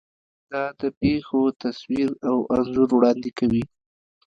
دا د پېښو تصویر او انځور وړاندې کوي.